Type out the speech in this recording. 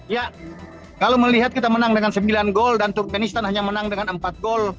ya kalau melihat kita menang dengan sembilan gol dan turkmenistan hanya menang dengan empat gol